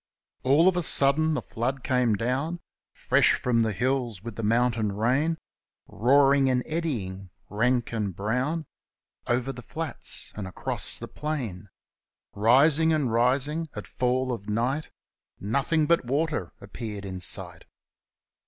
All of a sudden a flood came down, At first a freshet of mountain rain, Roaring and eddying, rank and brown, Over the flats and across the plain. Rising and rising — at fall of night Nothing but water appeared in sight!